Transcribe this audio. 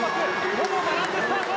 ほぼ並んでスタート。